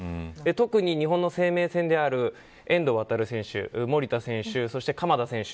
特に日本の生命線である遠藤航選手、守田選手そして鎌田選手